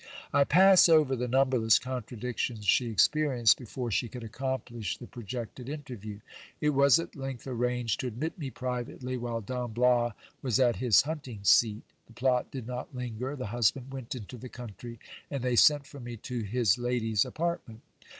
I pass over the numberless contradictions she experienced, before she could accomplish the projected interview. It was at length arranged to admit me privately, while Don Bias was at his hunting seat. The plot did not linger. The husband went into the country, and they sent for me to his lady's apart ment.